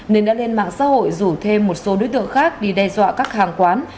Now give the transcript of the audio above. nên đã lên mạng xã hội rủ thêm một số đối tượng khác đi đe dọa các hàng quán